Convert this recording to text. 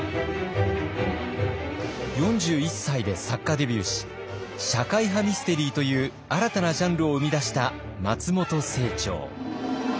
４１歳で作家デビューし社会派ミステリーという新たなジャンルを生み出した松本清張。